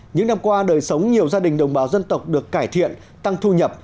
những năm qua đời sống nhiều gia đình đồng bào dân tộc được cải thiện tăng thu nhập